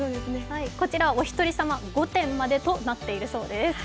こちら、お一人様５点までとなっているそうです